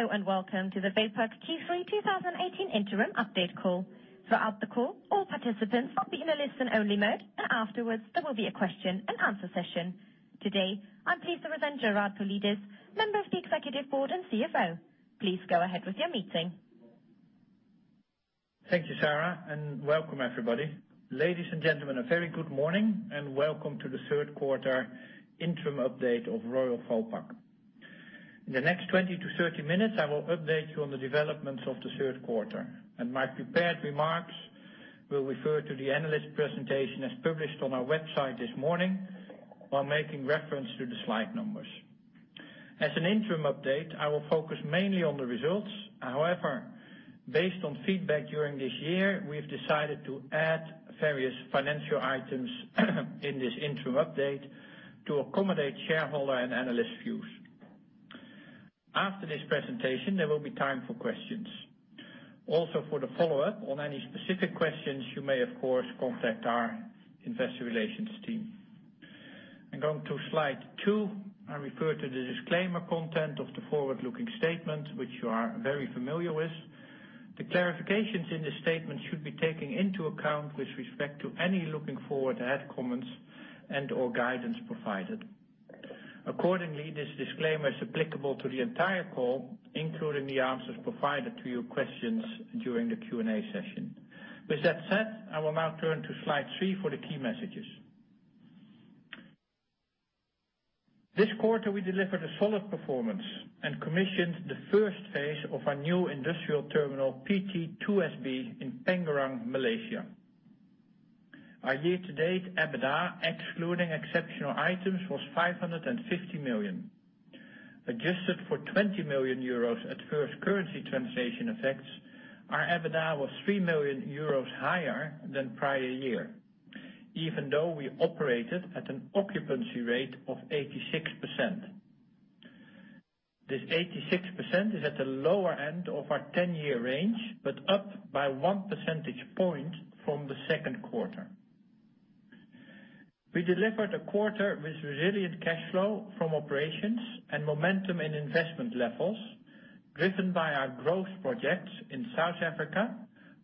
Hello and welcome to the Vopak Q3 2018 interim update call. Throughout the call, all participants will be in a listen-only mode, and afterwards, there will be a question-and-answer session. Today, I am pleased to present Gerard Paulides, member of the executive board and CFO. Please go ahead with your meeting. Thank you, Sarah, and welcome everybody. Ladies and gentlemen, a very good morning and welcome to the third quarter interim update of Royal Vopak. In the next 20 to 30 minutes, I will update you on the developments of the third quarter. My prepared remarks will refer to the analyst presentation as published on our website this morning while making reference to the slide numbers. As an interim update, I will focus mainly on the results. Based on feedback during this year, we have decided to add various financial items in this interim update to accommodate shareholder and analyst views. After this presentation, there will be time for questions. Also, for the follow-up on any specific questions, you may, of course, contact our investor relations team. I am going to slide two. I refer to the disclaimer content of the forward-looking statement, which you are very familiar with. The clarifications in this statement should be taken into account with respect to any looking forward ahead comments and/or guidance provided. This disclaimer is applicable to the entire call, including the answers provided to your questions during the Q&A session. With that said, I will now turn to slide three for the key messages. This quarter, we delivered a solid performance and commissioned the first phase of our new industrial terminal, PT2SB, in Pengerang, Malaysia. Our year-to-date EBITDA, excluding exceptional items, was 550 million. Adjusted for 20 million euros adverse currency translation effects, our EBITDA was 3 million euros higher than prior year, even though we operated at an occupancy rate of 86%. This 86% is at the lower end of our 10-year range, but up by one percentage point from the second quarter. We delivered a quarter with resilient cash flow from operations and momentum in investment levels, driven by our growth projects in South Africa,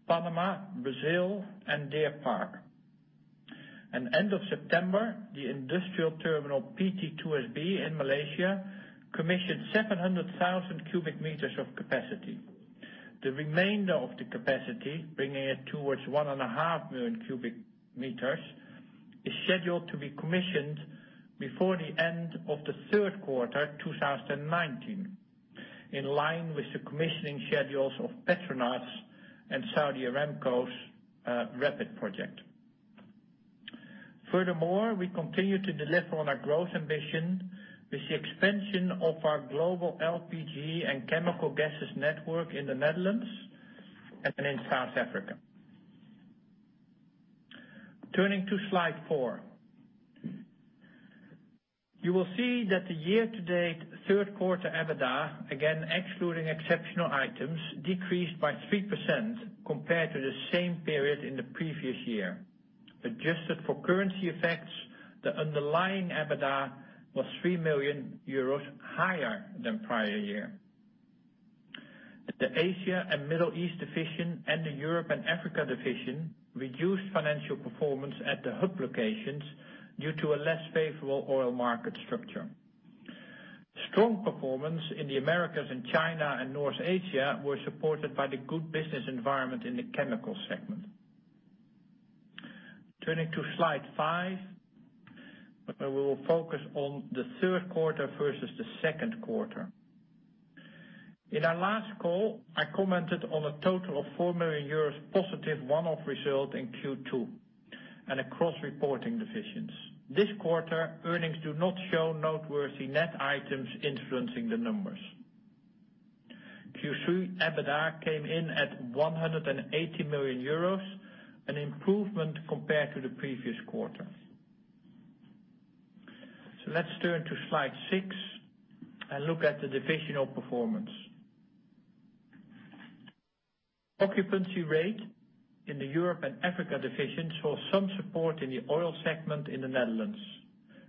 Panama, Brazil, and Deer Park. At end of September, the industrial terminal, PT2SB in Malaysia, commissioned 700,000 cubic meters of capacity. The remainder of the capacity, bringing it towards one and a half million cubic meters, is scheduled to be commissioned before the end of the third quarter 2019, in line with the commissioning schedules of Petronas and Saudi Aramco's RAPID project. We continue to deliver on our growth ambition with the expansion of our global LPG and chemical gases network in the Netherlands and in South Africa. Turning to slide four. You will see that the year-to-date third quarter EBITDA, again, excluding exceptional items, decreased by 3% compared to the same period in the previous year. Adjusted for currency effects, the underlying EBITDA was 3 million euros higher than prior year. The Asia and Middle East division and the Europe and Africa division reduced financial performance at the hub locations due to a less favorable oil market structure. Strong performance in the Americas and China and North Asia were supported by the good business environment in the chemical segment. Turning to slide five, where we will focus on the third quarter versus the second quarter. In our last call, I commented on a total of 4 million euros positive one-off result in Q2 and across reporting divisions. This quarter, earnings do not show noteworthy net items influencing the numbers. Q3 EBITDA came in at 180 million euros, an improvement compared to the previous quarter. Let's turn to slide six and look at the divisional performance. Occupancy rate in the Europe and Africa division saw some support in the oil segment in the Netherlands,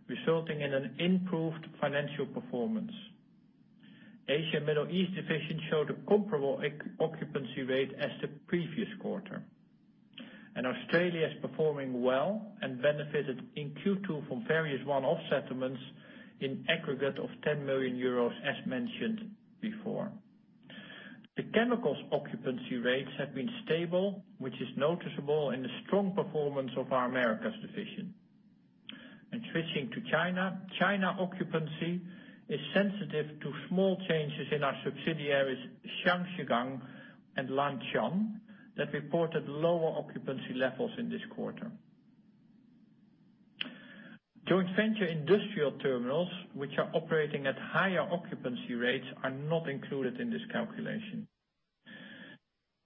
resulting in an improved financial performance. Asia Middle East division showed a comparable occupancy rate as the previous quarter. Australia is performing well and benefited in Q2 from various one-off settlements in aggregate of 10 million euros, as mentioned before. The chemicals occupancy rates have been stable, which is noticeable in the strong performance of our Americas division. Switching to China occupancy is sensitive to small changes in our subsidiaries, Zhangjiagang and Lanshan, that reported lower occupancy levels in this quarter. Joint venture industrial terminals, which are operating at higher occupancy rates, are not included in this calculation.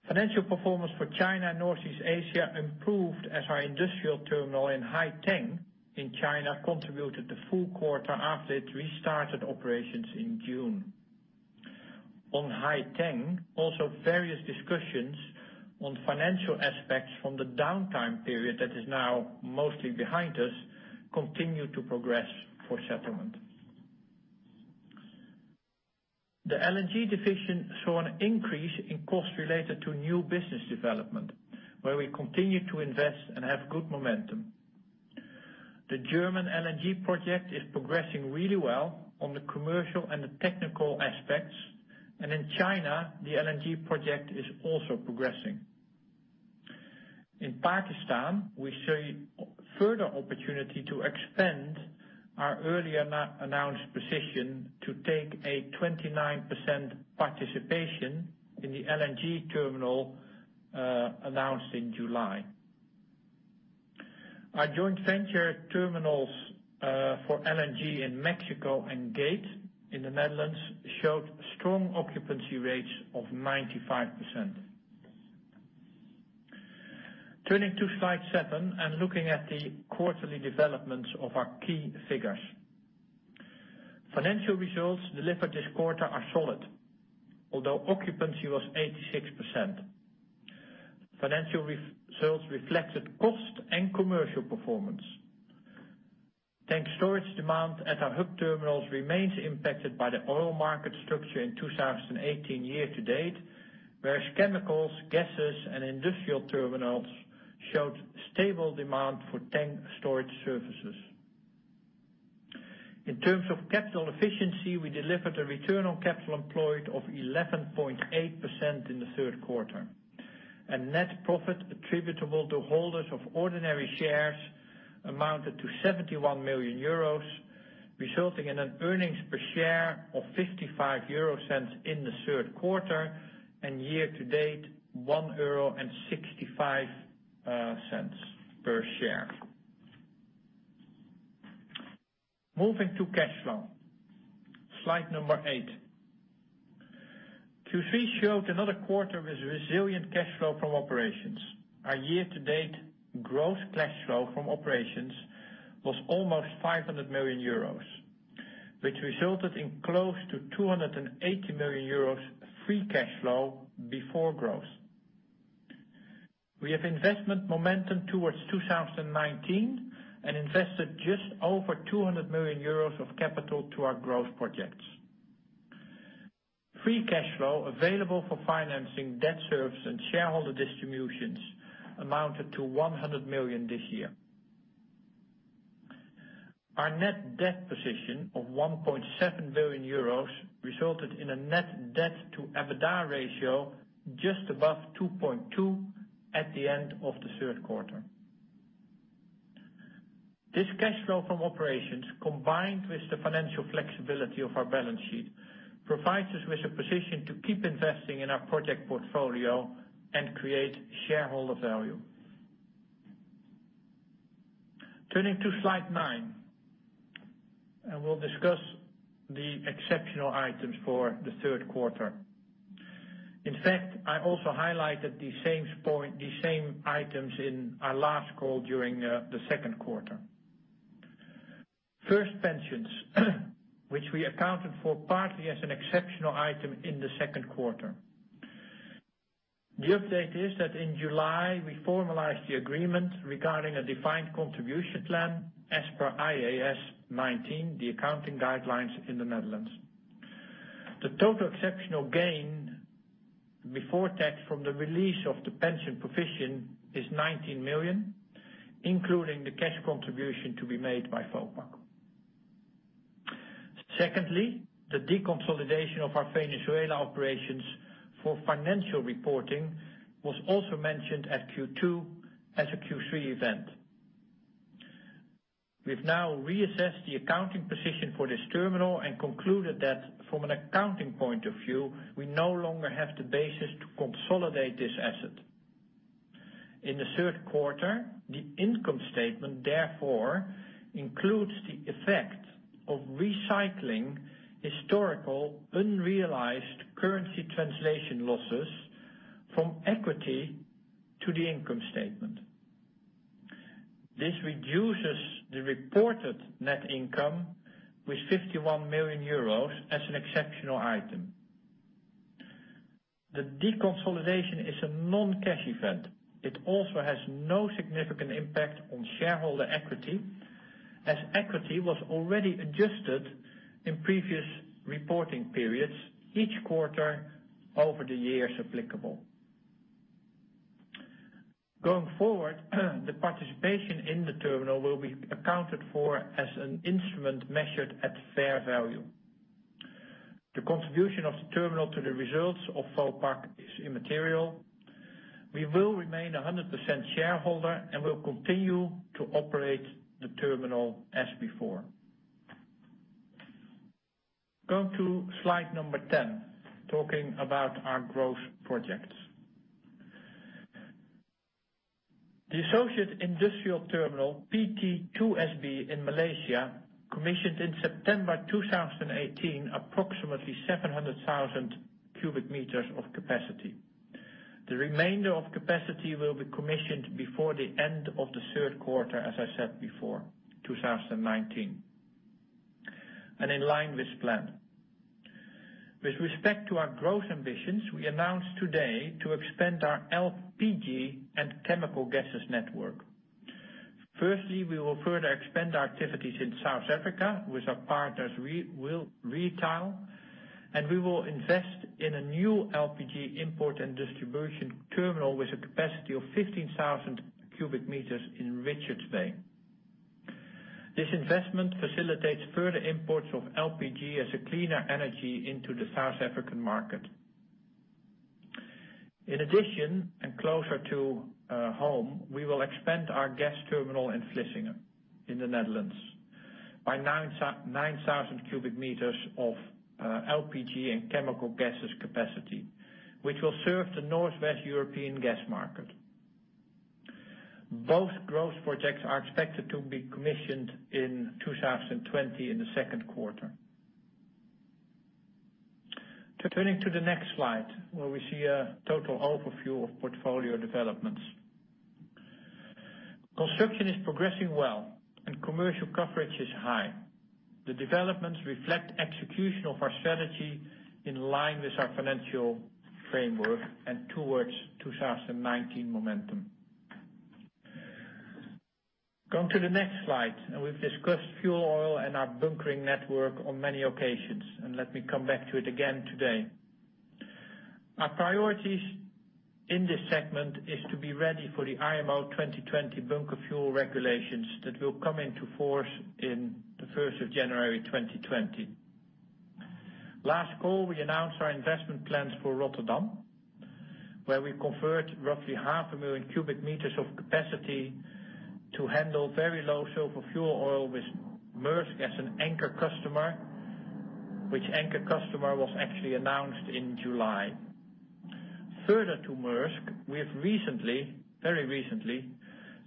Financial performance for China and North Asia improved as our industrial terminal in Haiteng in China contributed the full quarter after it restarted operations in June. On Haiteng, also various discussions on financial aspects from the downtime period that is now mostly behind us, continue to progress for settlement. The LNG division saw an increase in costs related to new business development, where we continue to invest and have good momentum. The German LNG project is progressing really well on the commercial and the technical aspects, and in China, the LNG project is also progressing. In Pakistan, we see further opportunity to expand our earlier announced position to take a 29% participation in the LNG terminal announced in July. Our joint venture terminals for LNG in Mexico and Gate in the Netherlands showed strong occupancy rates of 95%. Turning to slide seven and looking at the quarterly developments of our key figures. Financial results delivered this quarter are solid. Although occupancy was 86%. Financial results reflected cost and commercial performance. Tank storage demand at our hub terminals remains impacted by the oil market structure in 2018 year to date, whereas chemicals, gases, and industrial terminals showed stable demand for tank storage services. In terms of capital efficiency, we delivered a Return on Capital Employed of 11.8% in the third quarter, and net profit attributable to holders of ordinary shares amounted to 71 million euros, resulting in an earnings per share of 0.55 in the third quarter and year to date, 1.65 euro per share. Moving to cash flow. Slide number eight. Q3 showed another quarter with resilient cash flow from operations. Our year to date gross cash flow from operations was almost 500 million euros, which resulted in close to 280 million euros free cash flow before growth. We have investment momentum towards 2019 and invested just over 200 million euros of capital to our growth projects. Free cash flow available for financing debt service and shareholder distributions amounted to 100 million this year. Our net debt position of 1.7 billion euros resulted in a Net Debt to EBITDA ratio just above 2.2 at the end of the third quarter. This cash flow from operations, combined with the financial flexibility of our balance sheet, provides us with a position to keep investing in our project portfolio and create shareholder value. Turning to slide nine, we'll discuss the exceptional items for the third quarter. In fact, I also highlighted these same items in our last call during the second quarter. First, pensions. We accounted for partly as an exceptional item in the second quarter. The update is that in July, we formalized the agreement regarding a defined contribution plan as per IAS 19, the accounting guidelines in the Netherlands. The total exceptional gain before tax from the release of the pension provision is 19 million, including the cash contribution to be made by Vopak. Secondly, the deconsolidation of our Venezuela operations for financial reporting was also mentioned at Q2 as a Q3 event. We've now reassessed the accounting position for this terminal and concluded that from an accounting point of view, we no longer have the basis to consolidate this asset. In the third quarter, the income statement therefore includes the effect of recycling historical unrealized currency translation losses from equity to the income statement. This reduces the reported net income with 51 million euros as an exceptional item. The deconsolidation is a non-cash event. It also has no significant impact on shareholder equity, as equity was already adjusted in previous reporting periods, each quarter over the years applicable. Going forward, the participation in the terminal will be accounted for as an instrument measured at fair value. The contribution of the terminal to the results of Vopak is immaterial. We will remain 100% shareholder and will continue to operate the terminal as before. Slide number 10, talking about our growth projects. The associate industrial terminal, PT2SB in Malaysia, commissioned in September 2018, approximately 700,000 cubic meters of capacity. The remainder of capacity will be commissioned before the end of the third quarter, as I said before, 2019. In line with plan. With respect to our growth ambitions, we announce today to expand our LPG and chemical gases network. Firstly, we will further expand our activities in South Africa with our partners, Reatile, we will invest in a new LPG import and distribution terminal with a capacity of 15,000 cubic meters in Richards Bay. This investment facilitates further imports of LPG as a cleaner energy into the South African market. In addition, closer to home, we will expand our gas terminal in Vlissingen in the Netherlands by 9,000 cubic meters of LPG and chemical gases capacity, which will serve the Northwest European gas market. Both growth projects are expected to be commissioned in 2020 in the second quarter. The next slide, where we see a total overview of portfolio developments. Construction is progressing well, commercial coverage is high. The developments reflect execution of our strategy in line with our financial framework towards 2019 momentum. Going to the next slide, we've discussed fuel oil and our bunkering network on many occasions, let me come back to it again today. Our priorities in this segment is to be ready for the IMO 2020 bunker fuel regulations that will come into force in the 1st of January 2020. Last call, we announced our investment plans for Rotterdam, where we convert roughly half a million cubic meters of capacity to handle very low sulfur fuel oil with Maersk as an anchor customer, which anchor customer was actually announced in July. Further to Maersk, we have very recently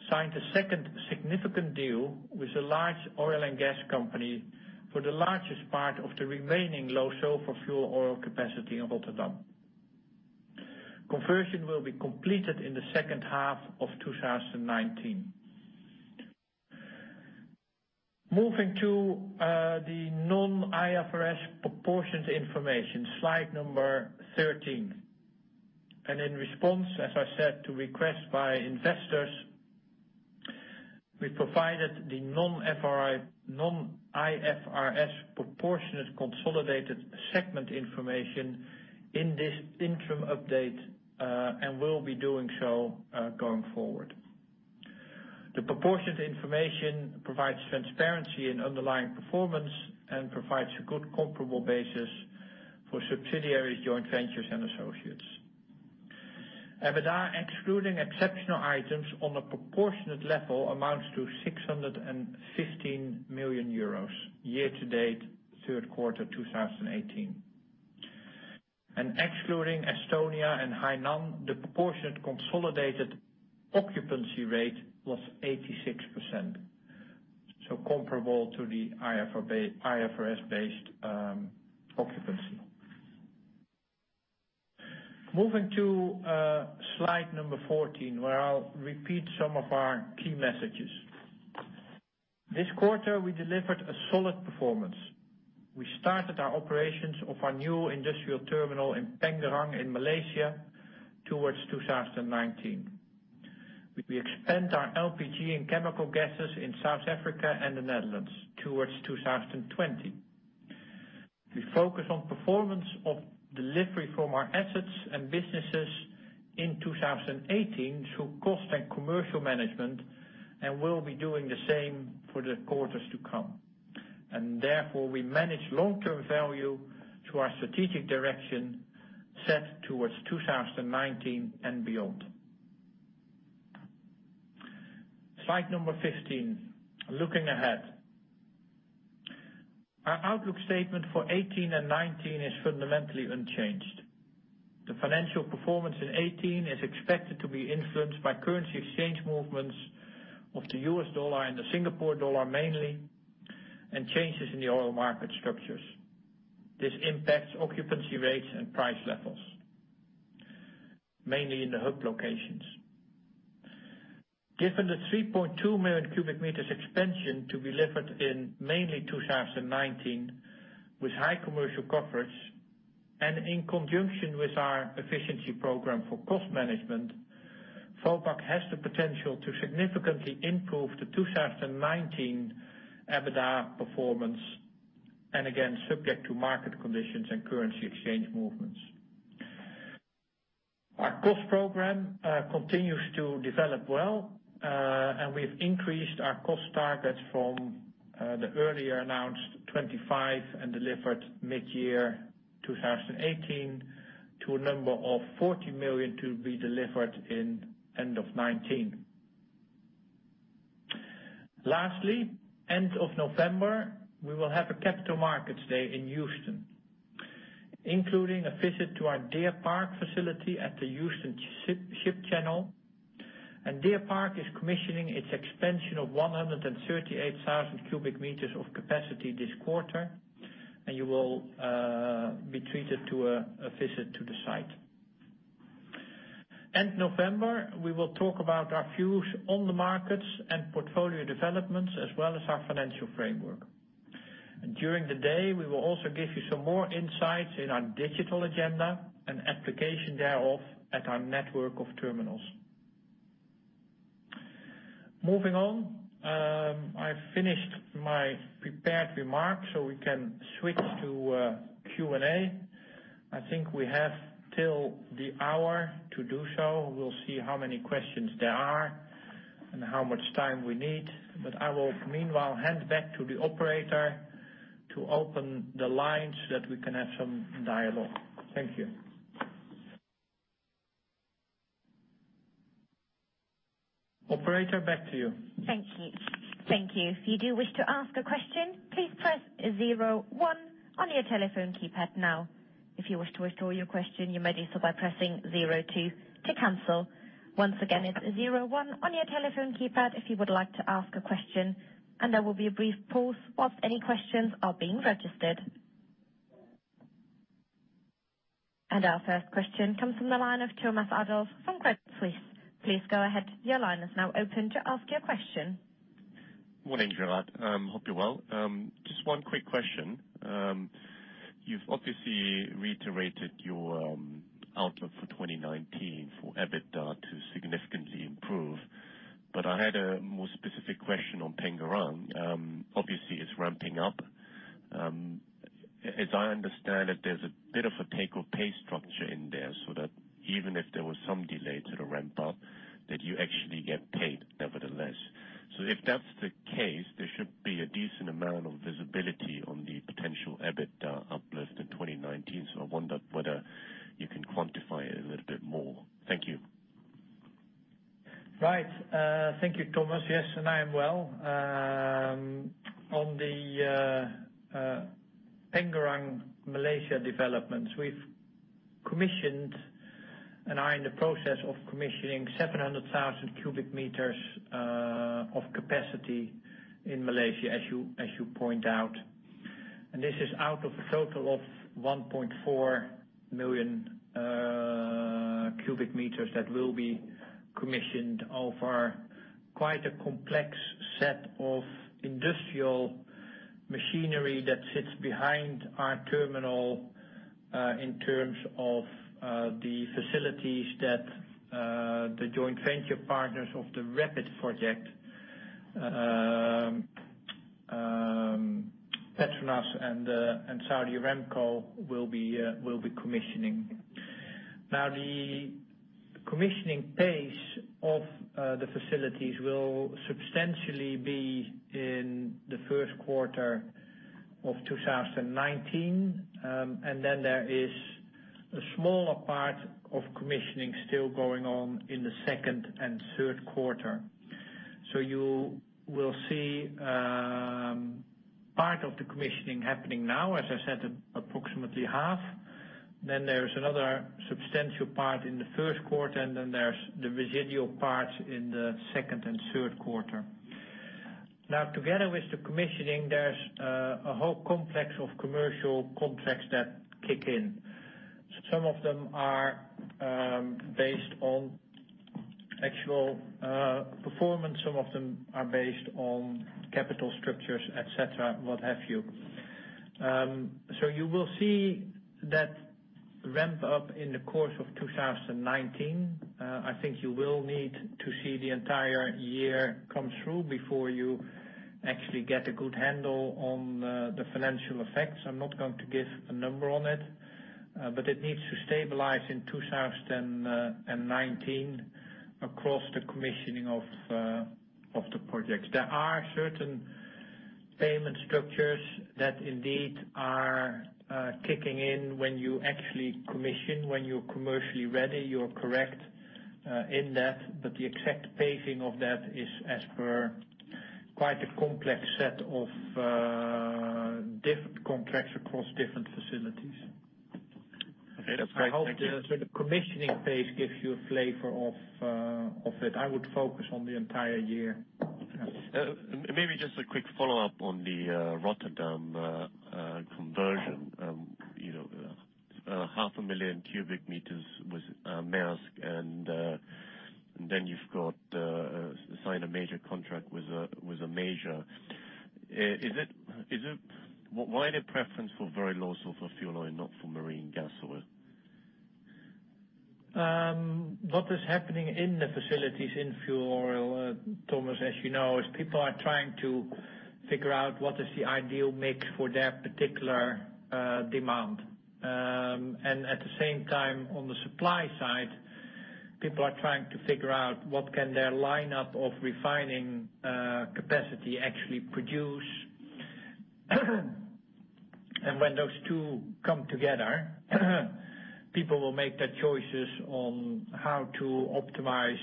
signed a second significant deal with a large oil and gas company for the largest part of the remaining low sulfur fuel oil capacity in Rotterdam. Conversion will be completed in the second half of 2019. Moving to the non-IFRS proportionate information. Slide number 13. In response, as I said, to requests by investors, we provided the non-IFRS proportionate consolidated segment information in this interim update, and will be doing so going forward. The proportionate information provides transparency in underlying performance and provides a good comparable basis for subsidiaries, joint ventures and associates. EBITDA excluding exceptional items on a proportionate level amounts to 615 million euros year to date, third quarter 2018. Excluding Estonia and Hainan, the proportionate consolidated occupancy rate was 86%. So comparable to the IFRS-based occupancy. Moving to Slide number 14, where I'll repeat some of our key messages. This quarter we delivered a solid performance. We started our operations of our new industrial terminal in Pengerang in Malaysia towards 2019. We expand our LPG and chemical gases in South Africa and the Netherlands towards 2020. We focus on performance of delivery from our assets and businesses in 2018 through cost and commercial management, and will be doing the same for the quarters to come. Therefore, we manage long-term value through our strategic direction set towards 2019 and beyond. Slide number 15. Looking ahead. Our outlook statement for 2018 and 2019 is fundamentally unchanged. The financial performance in 2018 is expected to be influenced by currency exchange movements of the US dollar and the Singapore dollar mainly, and changes in the oil market structures. This impacts occupancy rates and price levels, mainly in the hub locations. Given the 3.2 million cubic meters expansion to be delivered in mainly 2019, with high commercial coverage and in conjunction with our efficiency program for cost management, Vopak has the potential to significantly improve the 2019 EBITDA performance, and again, subject to market conditions and currency exchange movements. Our cost program continues to develop well, and we've increased our cost targets from the earlier announced 25 and delivered mid-year 2018 to a number of 40 million to be delivered in end of 2019. Lastly, end of November, we will have a Capital Markets Day in Houston, including a visit to our Deer Park facility at the Houston ship channel. Deer Park is commissioning its expansion of 138,000 cubic meters of capacity this quarter, and you will be treated to a visit to the site. End November, we will talk about our views on the markets and portfolio developments, as well as our financial framework. During the day, we will also give you some more insights in our digital agenda and application thereof at our network of terminals. Moving on, I finished my prepared remarks so we can switch to Q&A. I think we have till the hour to do so. We'll see how many questions there are and how much time we need. I will, meanwhile, hand back to the operator to open the lines so that we can have some dialogue. Thank you. Operator, back to you. Thank you. If you do wish to ask a question, please press zero one on your telephone keypad now. If you wish to withdraw your question, you may do so by pressing zero two to cancel. Once again, it's zero one on your telephone keypad if you would like to ask a question, there will be a brief pause whilst any questions are being registered. Our first question comes from the line of Thomas Adolff from Credit Suisse. Please go ahead. Your line is now open to ask your question. Morning, Gerard. Hope you're well. Just one quick question. You've obviously reiterated your outlook for 2019 for EBITDA to significantly improve, but I had a more specific question on Pengerang. Obviously, it's ramping up. As I understand it, there's a bit of a take or pay structure in there that even if there was some delay to the ramp up, that you actually get paid nevertheless. If that's the case, there should be a decent amount of visibility on the potential EBITDA uplift in 2019. I wondered whether you can quantify it a little bit more. Thank you. Right. Thank you, Thomas. Yes, I am well. On the Pengerang Malaysia developments, we've commissioned and are in the process of commissioning 700,000 cubic meters of capacity in Malaysia, as you pointed out. This is out of a total of 1.4 million cubic meters that will be commissioned over quite a complex set of industrial machinery that sits behind our terminal in terms of the facilities that the joint venture partners of the RAPID Project, Petronas and Saudi Aramco, will be commissioning. The commissioning pace of the facilities will substantially be in the first quarter of 2019, then there is a smaller part of commissioning still going on in the second and third quarter. You will see part of the commissioning happening now, as I said, approximately half. There's another substantial part in the first quarter, there's the residual part in the second and third quarter. Together with the commissioning, there's a whole complex of commercial contracts that kick in. Some of them are based on actual performance, some of them are based on capital structures, et cetera, what have you. You will see that ramp up in the course of 2019. I think you will need to see the entire year come through before you actually get a good handle on the financial effects. I'm not going to give a number on it, but it needs to stabilize in 2019 across the commissioning of the projects. There are certain payment structures that indeed are kicking in when you actually commission, when you're commercially ready. You're correct in that. The exact pacing of that is as per quite a complex set of different contracts across different facilities. That's great. Thank you. I hope the commissioning phase gives you a flavor of it. I would focus on the entire year. Maybe just a quick follow-up on the Rotterdam conversion. Half a million cubic meters with Maersk, then you've got sign a major contract with a major. Why the preference for very low sulfur fuel oil, not for marine gas oil? What is happening in the facilities in fuel oil, Thomas, as you know, is people are trying to figure out what is the ideal mix for their particular demand. At the same time, on the supply side, people are trying to figure out what can their lineup of refining capacity actually produce. When those two come together, people will make their choices on how to optimize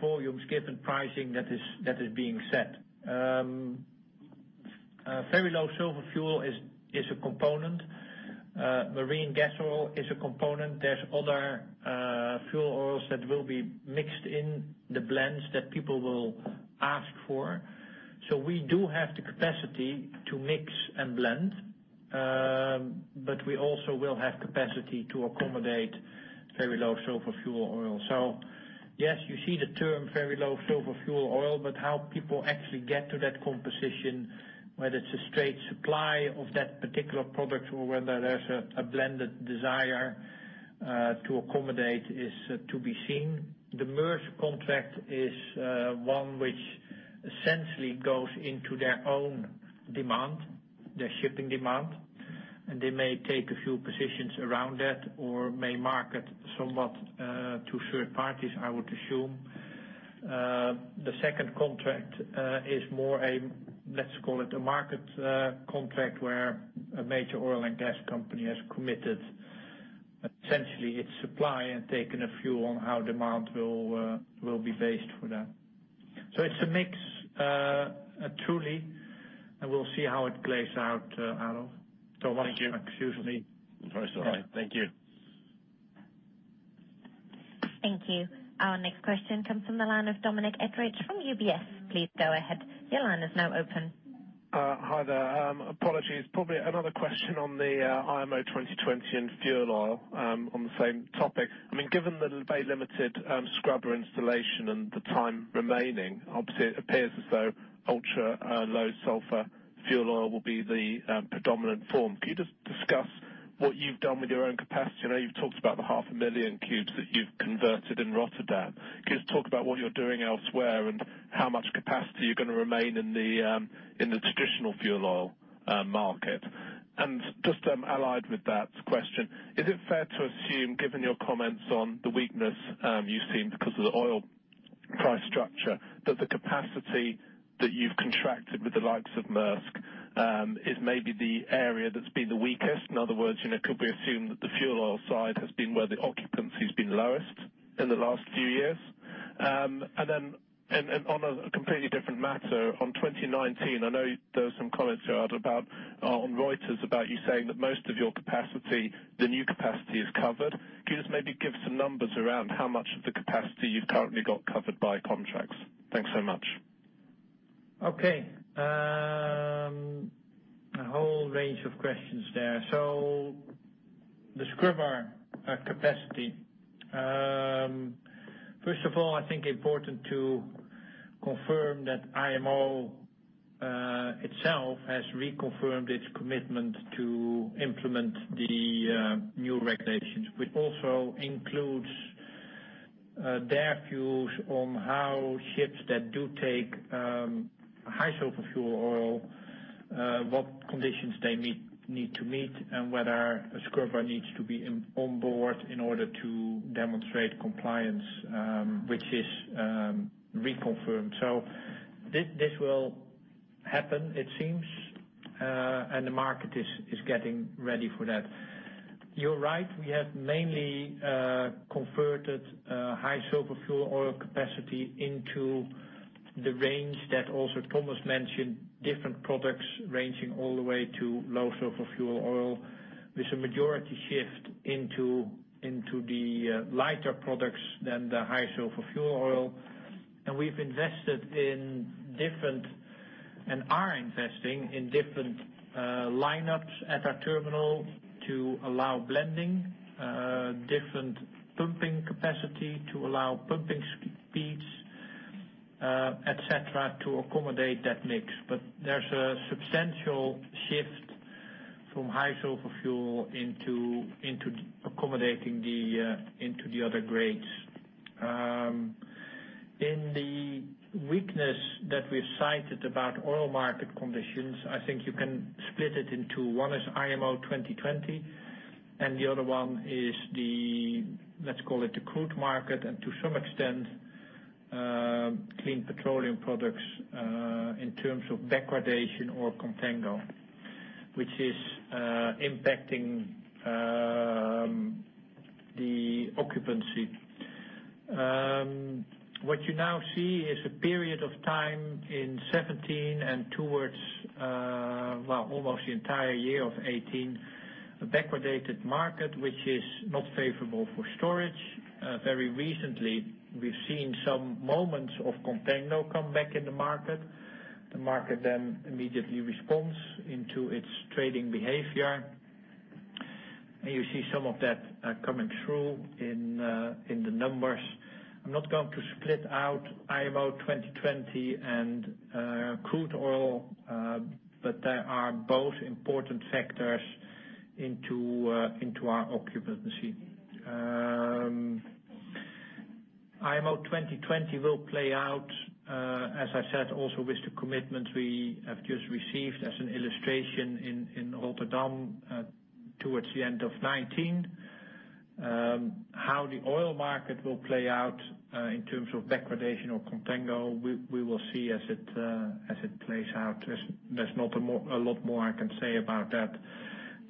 volumes given pricing that is being set. Very low sulfur fuel is a component. Marine gas oil is a component. There's other fuel oils that will be mixed in the blends that people will ask for. We do have the capacity to mix and blend, but we also will have capacity to accommodate very low sulfur fuel oil. Yes, you see the term very low sulfur fuel oil, but how people actually get to that composition, whether it's a straight supply of that particular product or whether there's a blended desire to accommodate, is to be seen. The Maersk contract is one which essentially goes into their own demand, their shipping demand, they may take a few positions around that or may market somewhat to third parties, I would assume. The second contract is more a, let's call it, a market contract where a major oil and gas company has committed essentially its supply and taken a few on how demand will be based for that. It's a mix, truly, we'll see how it plays out, though. Thank you. Excuse me. It's all right. Thank you. Thank you. Our next question comes from the line of Dominic Etheridge from UBS. Please go ahead. Your line is now open. Hi there. Apologies. Probably another question on the IMO 2020 and fuel oil, on the same topic. Given the very limited scrubber installation and the time remaining, obviously, it appears as though very low sulfur fuel oil will be the predominant form. Can you just discuss what you've done with your own capacity? I know you've talked about the half a million cubes that you've converted in Rotterdam. Can you just talk about what you're doing elsewhere and how much capacity you're going to remain in the traditional fuel oil market? Just allied with that question, is it fair to assume, given your comments on the weakness you've seen because of the oil price structure, that the capacity that you've contracted with the likes of Maersk is maybe the area that's been the weakest? In other words, could we assume that the fuel oil side has been where the occupancy's been lowest in the last few years? Then, on a completely different matter, on 2019, I know there were some comments here, Aro, on Reuters about you saying that most of your capacity, the new capacity, is covered. Can you just maybe give some numbers around how much of the capacity you've currently got covered by contracts? Thanks so much. Okay. A whole range of questions there. The scrubber capacity. First of all, I think important to confirm that IMO itself has reconfirmed its commitment to implement the new regulations. Which also includes their views on how ships that do take high sulfur fuel oil, what conditions they need to meet, and whether a scrubber needs to be on board in order to demonstrate compliance, which is reconfirmed. This will happen, it seems, and the market is getting ready for that. You're right, we have mainly converted high sulfur fuel oil capacity into the range that also Thomas mentioned, different products ranging all the way to low sulfur fuel oil, with a majority shift into the lighter products than the high sulfur fuel oil. We've invested in different, and are investing in different lineups at our terminal to allow blending. Different pumping capacity to allow pumping speeds, et cetera, to accommodate that mix. There's a substantial shift from high sulfur fuel into accommodating the other grades. In the weakness that we've cited about oil market conditions, I think you can split it into, one is IMO 2020, and the other one is the, let's call it, the crude market, and to some extent, clean petroleum products in terms of backwardation or contango, which is impacting the occupancy. What you now see is a period of time in 2017 and towards, well, almost the entire year of 2018, a backwardated market, which is not favorable for storage. Very recently, we've seen some moments of contango come back in the market. The market then immediately responds into its trading behavior. You see some of that coming through in the numbers. I'm not going to split out IMO 2020 and crude oil, they are both important factors into our occupancy. IMO 2020 will play out, as I said, also with the commitment we have just received as an illustration in Rotterdam towards the end of 2019. How the oil market will play out in terms of backwardation or contango, we will see as it plays out. There's not a lot more I can say about that.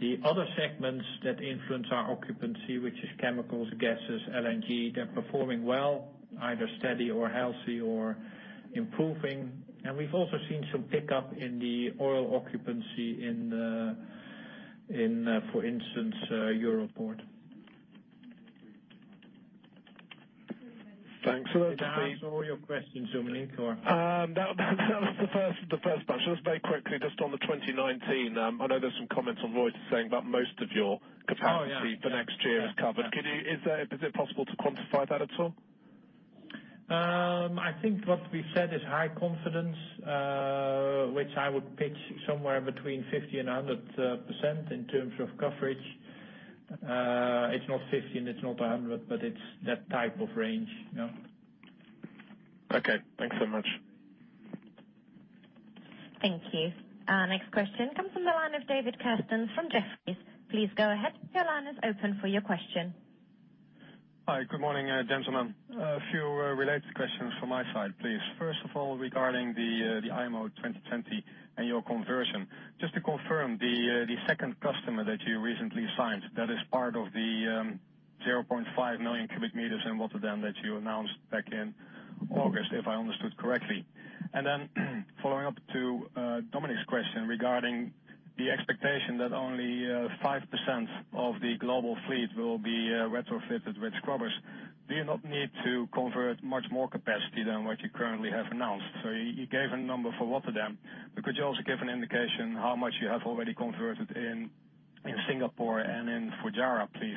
The other segments that influence our occupancy, which is chemicals, gases, LNG, they're performing well, either steady or healthy or improving. We've also seen some pickup in the oil occupancy in, for instance, Europoort. Thanks. Did I answer all your questions, Dominic? That was the first bunch. Just very quickly, just on the 2019. I know there's some comments on Reuters saying that most of your capacity- Oh, yeah for next year is covered. Is it possible to quantify that at all? I think what we've said is high confidence, which I would pitch somewhere between 50 and 100% in terms of coverage. It's not 50 and it's not 100, but it's that type of range. Okay. Thanks so much. Thank you. Our next question comes from the line of David Kerstens from Jefferies. Please go ahead. Your line is open for your question. Hi. Good morning, gentlemen. A few related questions from my side, please. First of all, regarding the IMO 2020 and your conversion. Just to confirm, the second customer that you recently signed, that is part of the 0.5 million cubic meters in Rotterdam that you announced back in August, if I understood correctly. Following up to Dominic's question regarding the expectation that only 5% of the global fleet will be retrofitted with scrubbers. Do you not need to convert much more capacity than what you currently have announced? You gave a number for Rotterdam, but could you also give an indication how much you have already converted in Singapore and in Fujairah, please?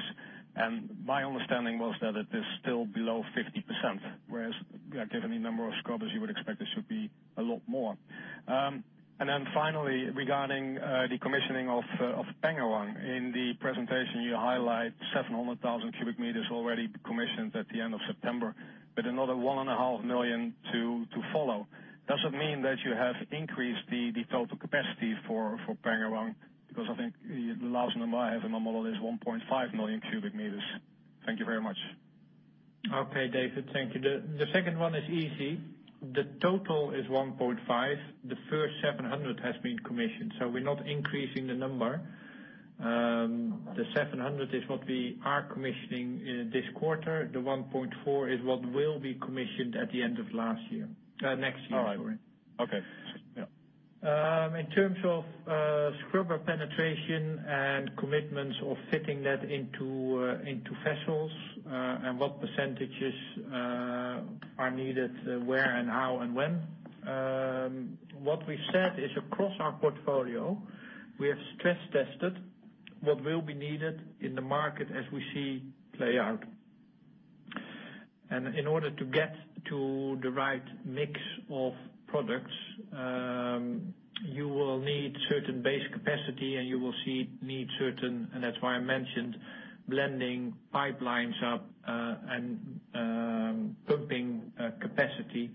My understanding was that it is still below 50%, whereas given the number of scrubbers, you would expect it should be a lot more. Finally, regarding the commissioning of Pengerang. In the presentation you highlight 700,000 cubic meters already commissioned at the end of September, with another 1.5 million to follow. Does it mean that you have increased the total capacity for Pengerang? Because I think the last number I have in my model is 1.5 million cubic meters. Thank you very much. Okay, David. Thank you. The second one is easy. The total is 1.5. The first 700 has been commissioned, so we're not increasing the number. The 700 is what we are commissioning this quarter. The 1.4 is what will be commissioned at the end of next year. All right. Okay. Yeah. In terms of scrubber penetration and commitments of fitting that into vessels, and what percentages are needed where and how and when. What we've said is across our portfolio, we have stress tested what will be needed in the market as we see play out. In order to get to the right mix of products, you will need certain base capacity, and you will need certain, and that's why I mentioned blending pipelines up, and pumping capacity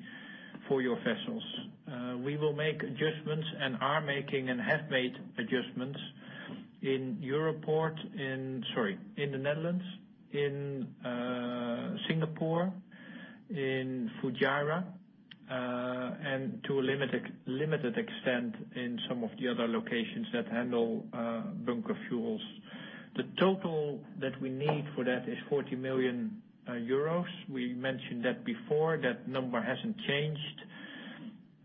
for your vessels. We will make adjustments and are making and have made adjustments in the Netherlands, in Singapore, in Fujairah, and to a limited extent in some of the other locations that handle bunker fuels. The total that we need for that is 40 million euros. We mentioned that before. That number hasn't changed.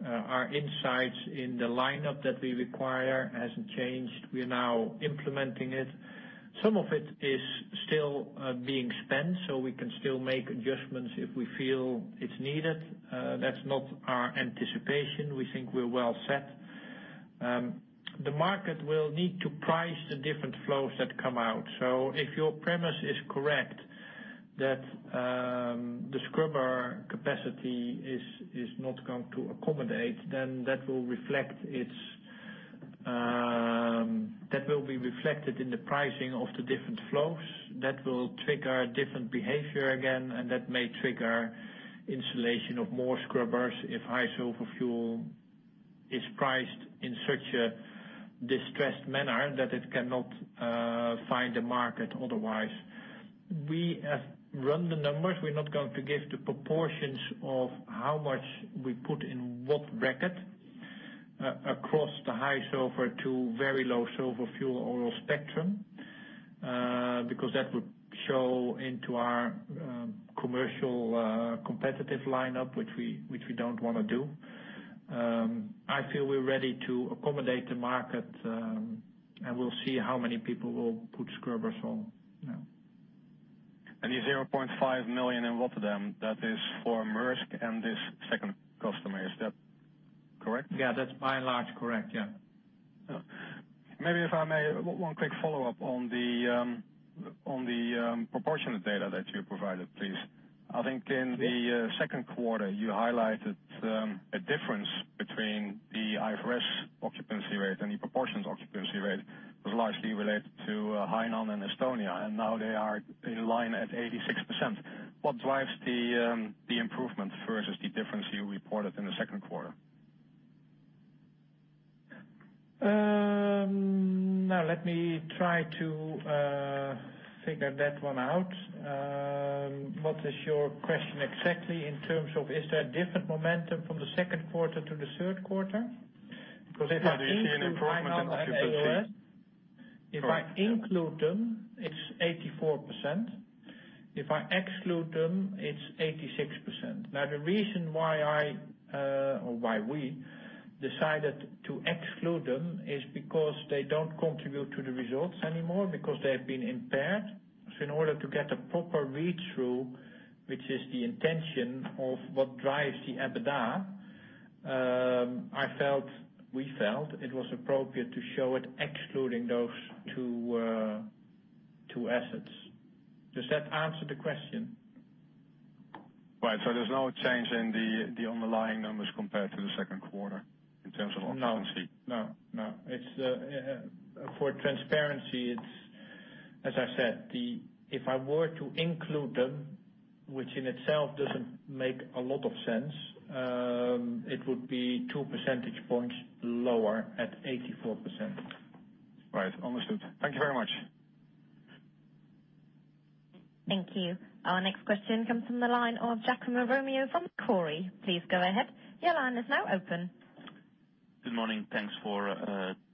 Our insights in the lineup that we require hasn't changed. We are now implementing it. Some of it is still being spent, we can still make adjustments if we feel it's needed. That's not our anticipation. We think we're well set. The market will need to price the different flows that come out. If your premise is correct, that the scrubber capacity is not going to accommodate, then that will be reflected in the pricing of the different flows. That will trigger a different behavior again, and that may trigger installation of more scrubbers if high sulfur fuel is priced in such a distressed manner that it cannot find a market otherwise. We have run the numbers. We're not going to give the proportions of how much we put in what bracket across the high sulfur to very low sulfur fuel oil spectrum, because that would show into our commercial competitive lineup, which we don't want to do. I feel we're ready to accommodate the market, we'll see how many people will put scrubbers on. The 0.5 million in Rotterdam, that is for Maersk and this second customer, is that correct? Yeah, that's by and large correct. Maybe if I may, one quick follow-up on the proportionate data that you provided, please. I think in the second quarter, you highlighted a difference between the IFRS occupancy rate and the proportionate occupancy rate was largely related to Haiteng and Estonia, and now they are in line at 86%. What drives the improvement versus the difference you reported in the second quarter? Let me try to figure that one out. What is your question exactly in terms of, is there a different momentum from the second quarter to the third quarter? Do you see an improvement in occupancy? If I include them, it's 84%. If I exclude them, it's 86%. The reason why we decided to exclude them is because they don't contribute to the results anymore because they have been impaired. In order to get a proper read-through, which is the intention of what drives the EBITDA, we felt it was appropriate to show it excluding those two assets. Does that answer the question? Right. There's no change in the underlying numbers compared to the second quarter in terms of occupancy. No. For transparency, as I said, if I were to include them, which in itself doesn't make a lot of sense, it would be two percentage points lower at 84%. Right. Understood. Thank you very much. Thank you. Our next question comes from the line of Giacomo Romeo from Kepler. Please go ahead. Your line is now open. Good morning. Thanks for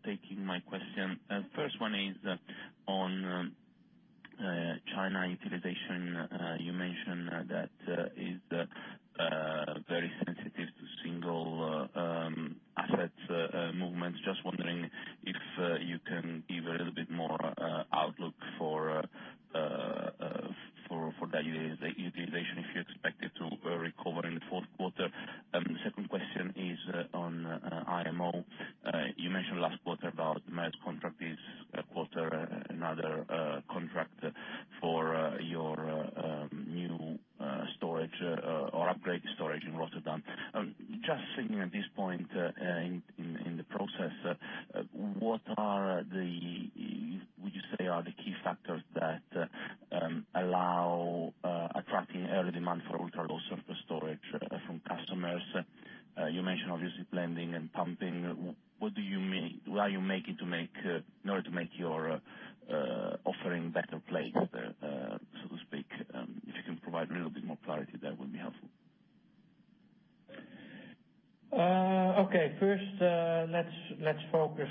taking my question. First one is on China utilization. You mentioned that is very sensitive to single assets movements. Wondering if you can give a little bit more outlook for the utilization, if you expect it to recover in the fourth quarter. Second question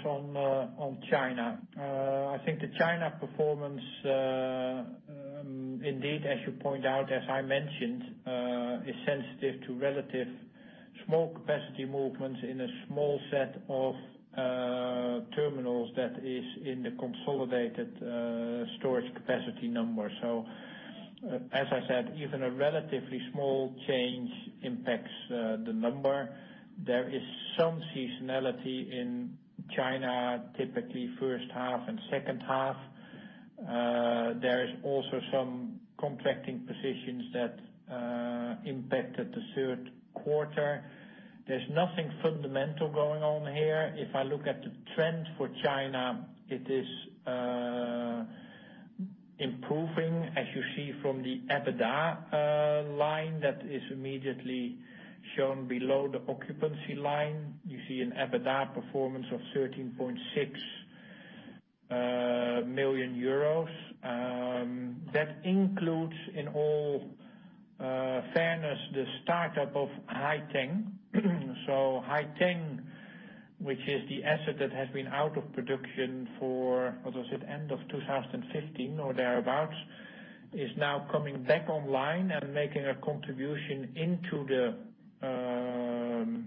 on China. The China performance, indeed, as you point out, as I mentioned, is sensitive to relative small capacity movements in a small set of terminals that is in the consolidated storage capacity number. As I said, even a relatively small change impacts the number. There is some seasonality in China, typically first half and second half. There is also some contracting positions that impacted the third quarter. There's nothing fundamental going on here. The trend for China, it is improving, as you see from the EBITDA line that is immediately shown below the occupancy line. You see an EBITDA performance of 13.6 million euros. That includes, in all fairness, the startup of Haiteng. Haiteng, which is the asset that has been out of production for, what was it, end of 2015 or thereabout, is now coming back online and making a contribution into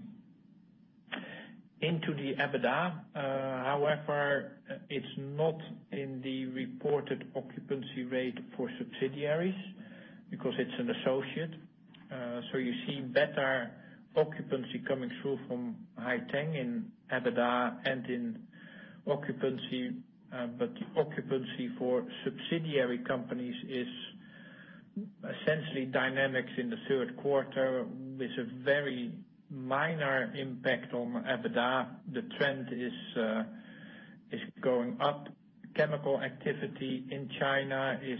the EBITDA. However, it's not in the reported occupancy rate for subsidiaries because it's an associate. You see better occupancy coming through from Haiteng in EBITDA and in occupancy, but occupancy for subsidiary companies is essentially dynamics in the third quarter with a very minor impact on EBITDA. The trend is going up. Chemical activity in China is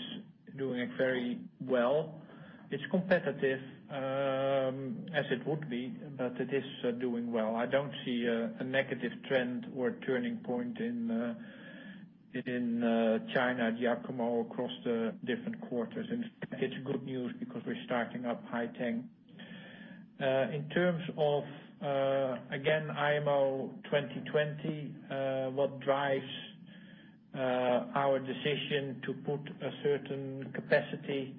doing very well. It's competitive, as it would be, but it is doing well. I don't see a negative trend or a turning point in China at Giacomo across the different quarters. In fact, it's good news because we're starting up Haiteng. IMO 2020, what drives our decision to put a certain capacity,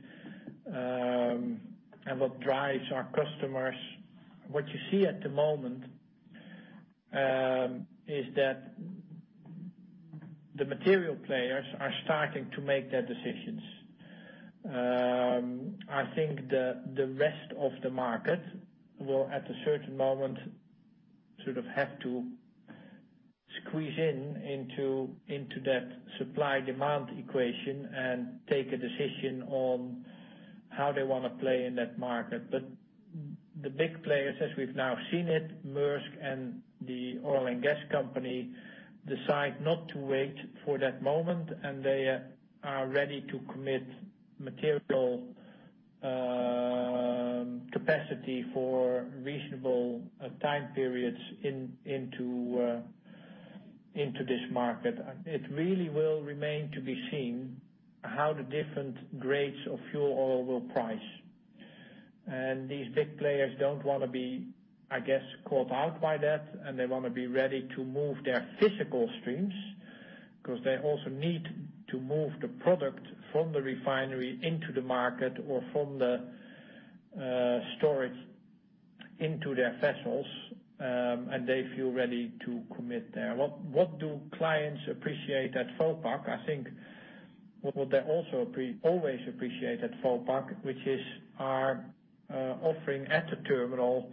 and what drives our customers, what you see at the moment is that the material players are starting to make their decisions. The rest of the market will, at a certain moment, sort of have to squeeze in into that supply-demand equation and take a decision on how they want to play in that market. The big players, as we've now seen it, Maersk and the oil and gas company, decide not to wait for that moment, and they are ready to commit material capacity for reasonable time periods into this market. It really will remain to be seen how the different grades of fuel oil will price. These big players don't want to be caught out by that, and they want to be ready to move their physical streams because they also need to move the product from the refinery into the market or from the storage into their vessels, and they feel ready to commit there. What do clients appreciate at Vopak? I think what they always appreciate at Vopak, which is our offering at the terminal,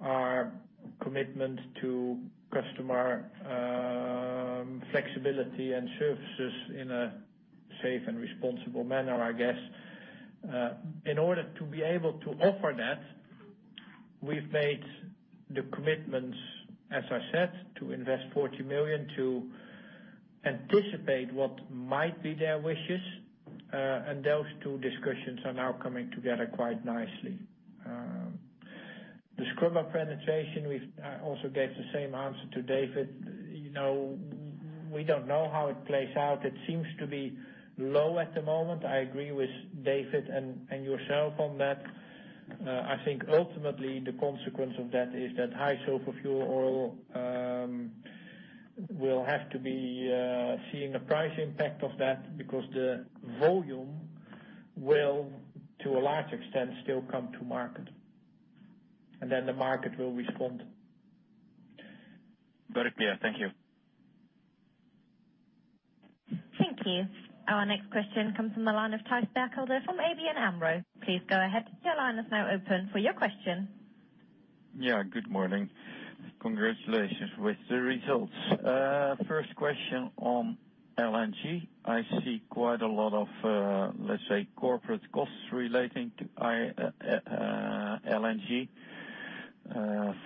our commitment to customer flexibility and services in a safe and responsible manner. In order to be able to offer that, we've made the commitments, as I said, to invest 40 million to anticipate what might be their wishes. Those two discussions are now coming together quite nicely. The scrubber penetration, I also gave the same answer to David. We don't know how it plays out. It seems to be low at the moment. I agree with David and yourself on that. I think ultimately the consequence of that is that high sulfur fuel oil will have to be seeing a price impact of that because the volume will, to a large extent, still come to market. Then the market will respond. Very clear. Thank you. Thank you. Our next question comes from the line of Thijs Berkelder from ABN AMRO. Please go ahead. Your line is now open for your question. Good morning. Congratulations with the results. First question on LNG. I see quite a lot of, let's say, corporate costs relating to LNG.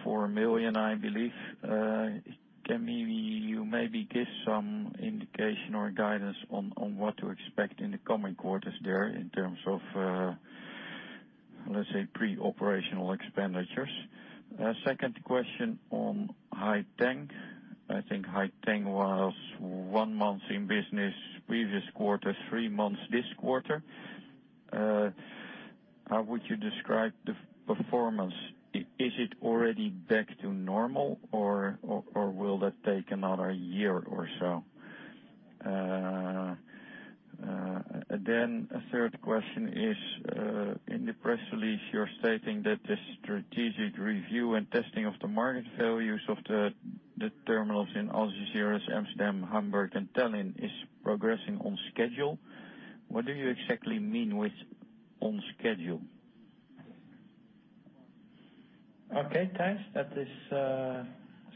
4 million, I believe. Can you maybe give some indication or guidance on what to expect in the coming quarters there in terms of, let's say, pre-operational expenditures? Second question on Haiteng. I think Haiteng was one month in business previous quarter, three months this quarter. How would you describe the performance? Is it already back to normal or will that take another year or so? A third question is, in the press release, you're stating that the strategic review and testing of the market values of the terminals in Algeciras, Amsterdam, Hamburg, and Tallinn is progressing on schedule. What do you exactly mean with on schedule? Thijs, that is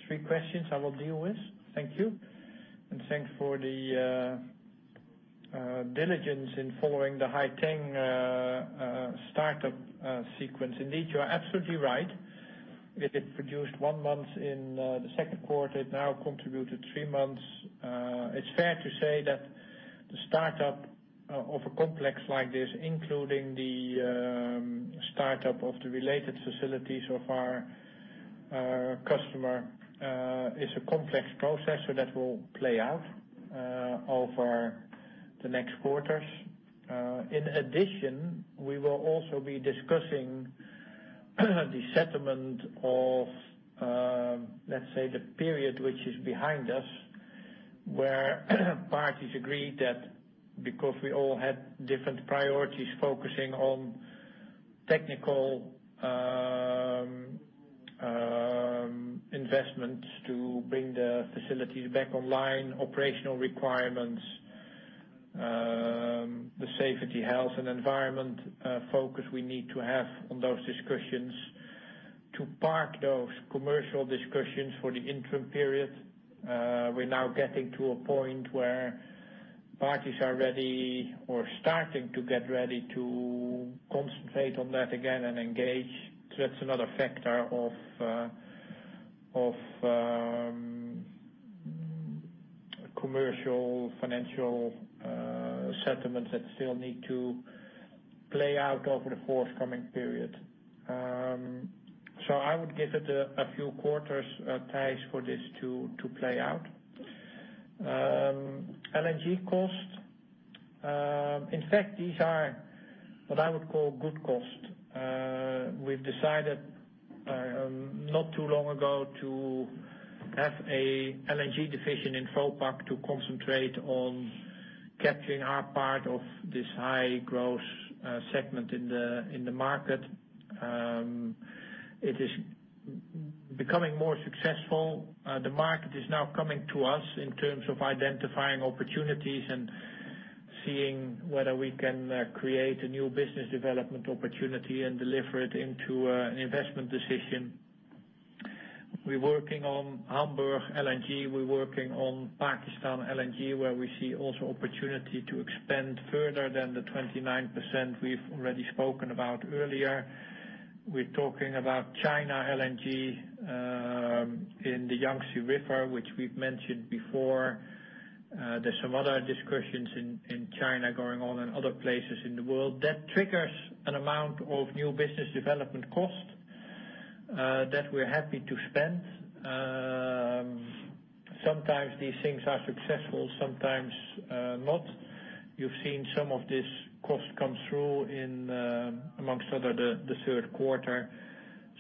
three questions I will deal with. Thank you, and thanks for the diligence in following the Haiteng startup sequence. Indeed, you are absolutely right. It produced one month in the second quarter. It now contributed three months. It's fair to say that the startup of a complex like this, including the startup of the related facilities of our customer, is a complex process. That will play out over the next quarters. In addition, we will also be discussing the settlement of, let's say, the period which is behind us, where parties agreed that because we all had different priorities, focusing on technical investments to bring the facilities back online, operational requirements, the safety, health, and environment focus we need to have on those discussions to park those commercial discussions for the interim period. We're now getting to a point where parties are ready or starting to get ready to concentrate on that again and engage. That's another factor of commercial, financial settlements that still need to play out over the forthcoming period. I would give it a few quarters, Thijs, for this to play out. LNG cost. In fact, these are what I would call good costs. We've decided not too long ago to have a LNG division in Vopak to concentrate on capturing our part of this high growth segment in the market. It is becoming more successful. The market is now coming to us in terms of identifying opportunities and seeing whether we can create a new business development opportunity and deliver it into an investment decision. We're working on Hamburg LNG, we're working on Pakistan LNG, where we see also opportunity to expand further than the 29% we've already spoken about earlier. We're talking about China LNG in the Yangtze River, which we've mentioned before. There's some other discussions in China going on and other places in the world. That triggers an amount of new business development cost that we're happy to spend. Sometimes these things are successful, sometimes not. You've seen some of this cost come through in, amongst other, the third quarter.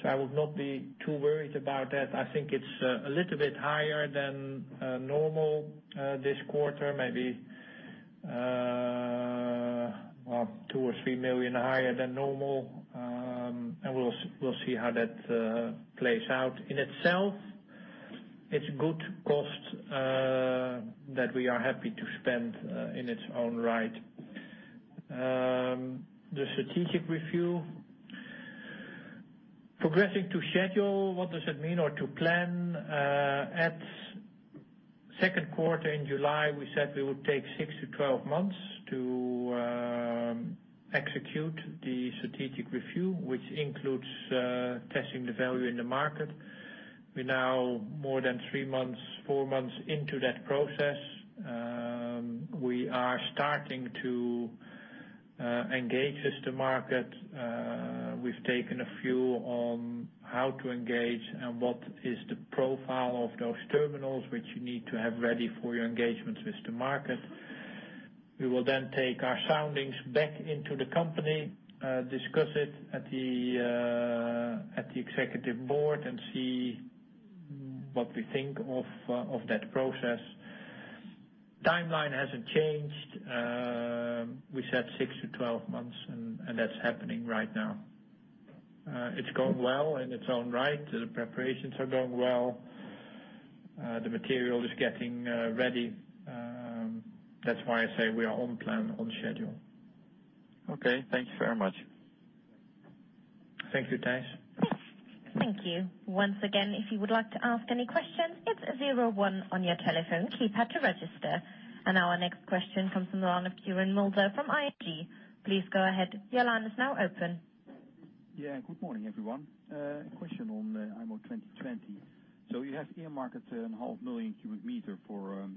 I would not be too worried about that. I think it's a little bit higher than normal this quarter, maybe 2 million or 3 million higher than normal. We'll see how that plays out. In itself, it's good cost that we are happy to spend in its own right. The strategic review. Progressing to schedule, what does it mean, or to plan? At second quarter in July, we said we would take 6 to 12 months to execute the strategic review, which includes testing the value in the market. We're now more than 3 months, 4 months into that process. We are starting to engage with the market. We've taken a view on how to engage and what is the profile of those terminals which you need to have ready for your engagements with the market. We will then take our soundings back into the company, discuss it at the executive board and see what we think of that process. Timeline hasn't changed. We said 6 to 12 months and that's happening right now. It's going well in its own right. The preparations are going well. The material is getting ready. That's why I say we are on plan, on schedule. Okay. Thank you very much. Thank you, Thijs. Thank you. Once again, if you would like to ask any questions, hit zero one on your telephone keypad to register. Our next question comes from the line of Quirijn Mulder from ING. Please go ahead. Your line is now open. Good morning, everyone. A question on IMO 2020. You have earmarked a half million cubic meter for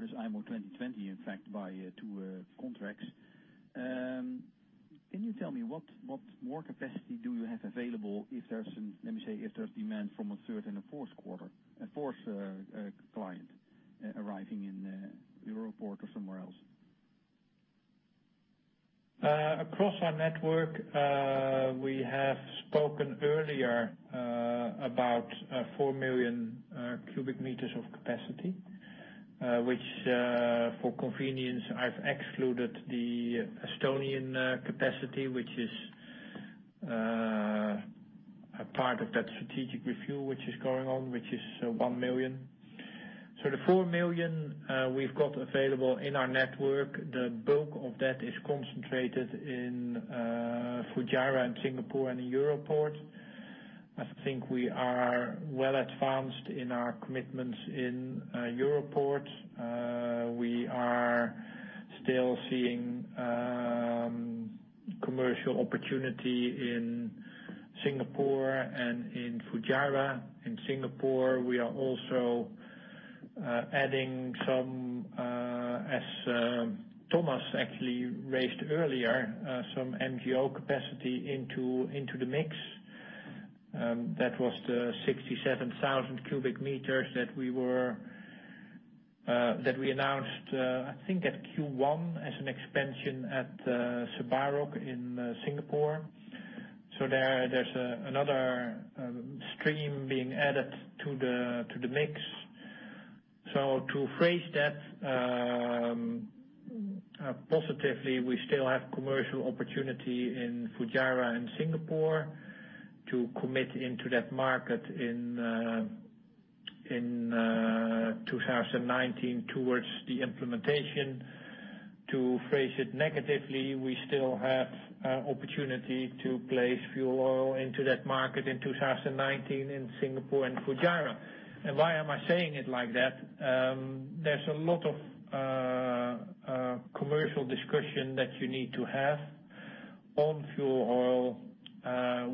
this IMO 2020, in fact, by two contracts. Can you tell me what more capacity do you have available if there's demand from a third and a fourth quarter, a fourth client arriving in Europe or somewhere else? Across our network, we have spoken earlier, about 4 million cubic meters of capacity, which, for convenience, I've excluded the Estonian capacity, which is a part of that strategic review which is going on, which is 1 million. The 4 million we've got available in our network, the bulk of that is concentrated in Fujairah and Singapore and in Europoort. I think we are well advanced in our commitments in Europoort. We are still seeing commercial opportunity in Singapore and in Fujairah. In Singapore, we are also adding some, as Thomas actually raised earlier, some MGO capacity into the mix. That was the 67,000 cubic meters that we announced, I think at Q1 as an expansion at Sembcorp in Singapore. There's another stream being added to the mix. To phrase that positively, we still have commercial opportunity in Fujairah and Singapore to commit into that market in 2019 towards the implementation. To phrase it negatively, we still have opportunity to place fuel oil into that market in 2019 in Singapore and Fujairah. Why am I saying it like that? There's a lot of commercial discussion that you need to have on fuel oil,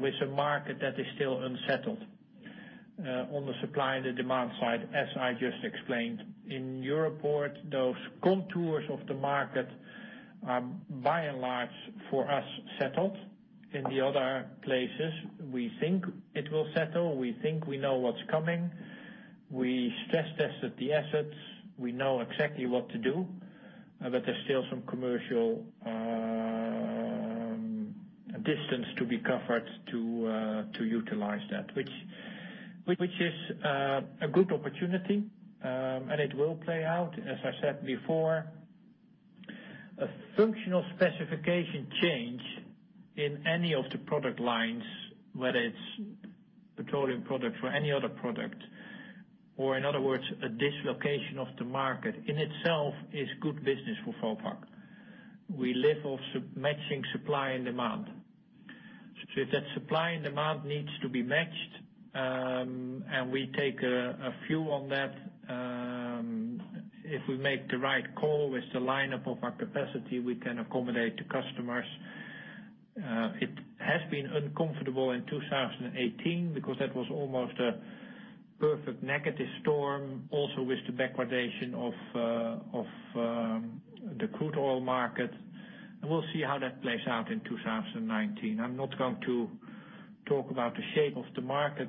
with a market that is still unsettled, on the supply and the demand side, as I just explained. In Europoort, those contours of the market are by and large for us settled. In the other places, we think it will settle. We think we know what's coming. We stress tested the assets. We know exactly what to do. There's still some commercial distance to be covered to utilize that, which is a good opportunity, and it will play out. As I said before, a functional specification change in any of the product lines, whether it's petroleum product or any other product, or in other words, a dislocation of the market in itself is good business for Vopak. We live off matching supply and demand. If that supply and demand needs to be matched, and we take a view on that, if we make the right call with the lineup of our capacity, we can accommodate the customers. It has been uncomfortable in 2018 because that was almost a perfect negative storm. Also with the backwardation of the crude oil market. We'll see how that plays out in 2019. I'm not going to talk about the shape of the market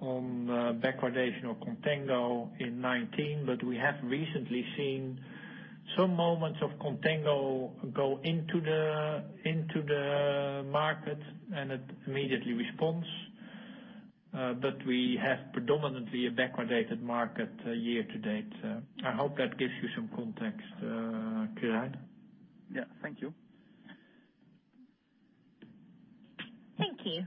on backwardation or contango in 2019, but we have recently seen some moments of contango go into the market and it immediately responds. We have predominantly a backwardated market year to date. I hope that gives you some context, Quirijn. Yeah. Thank you. Thank you.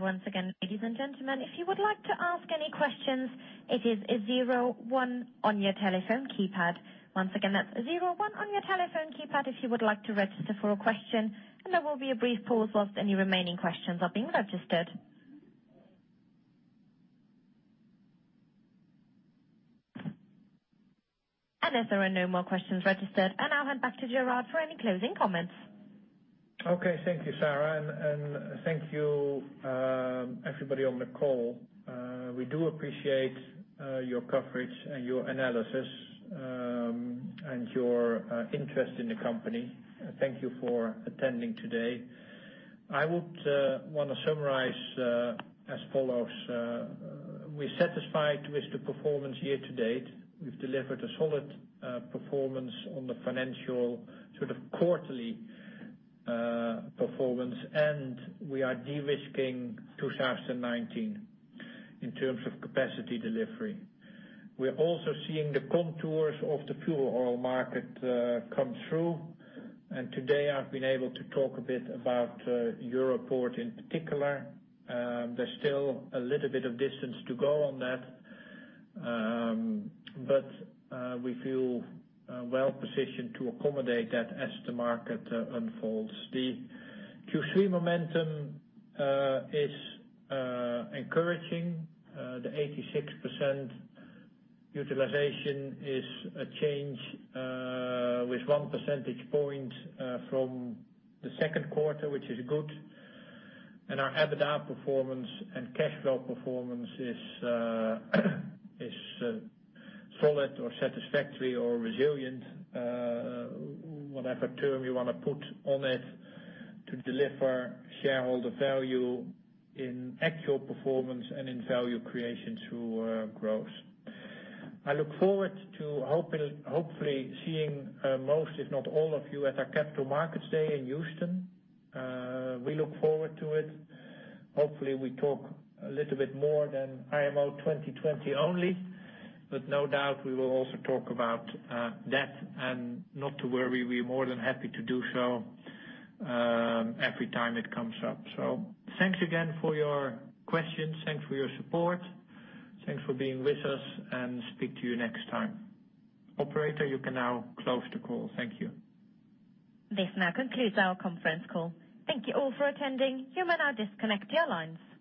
Once again, ladies and gentlemen, if you would like to ask any questions, it is zero one on your telephone keypad. Once again, that's zero one on your telephone keypad if you would like to register for a question, and there will be a brief pause whilst any remaining questions are being registered. As there are no more questions registered, and I'll hand back to Gerard for any closing comments. Okay. Thank you, Sarah. Thank you, everybody on the call. We do appreciate your coverage and your analysis, and your interest in the company. Thank you for attending today. I would want to summarize as follows. We're satisfied with the performance year to date. We've delivered a solid performance on the financial quarterly performance, and we are de-risking 2019 in terms of capacity delivery. We're also seeing the contours of the fuel oil market come through, and today I've been able to talk a bit about Europoort in particular. There's still a little bit of distance to go on that, but we feel well-positioned to accommodate that as the market unfolds. The Q3 momentum is encouraging. The 86% utilization is a change with one percentage point from the second quarter, which is good. Our EBITDA performance and cash flow performance is solid or satisfactory or resilient, whatever term you want to put on it, to deliver shareholder value in actual performance and in value creation through growth. I look forward to hopefully seeing most, if not all of you at our Capital Markets Day in Houston. We look forward to it. Hopefully we talk a little bit more than IMO 2020 only, no doubt we will also talk about that. Not to worry, we're more than happy to do so every time it comes up. Thanks again for your questions. Thanks for your support. Thanks for being with us and speak to you next time. Operator, you can now close the call. Thank you. This now concludes our conference call. Thank you all for attending. You may now disconnect your lines.